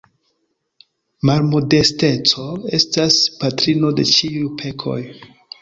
Malmodesteco estas patrino de ĉiuj pekoj.